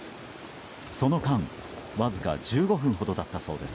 その間、わずか１５分ほどだったそうです。